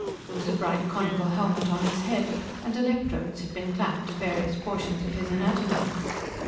There was a bright conical helmet on his head, and electrodes had been clamped to various portions of his anatomy.